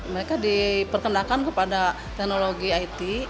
mereka diperkenalkan kepada teknologi it